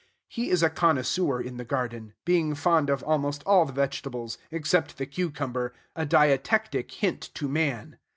He is a connoisseur in the garden; being fond of almost all the vegetables, except the cucumber, a dietetic hint to man.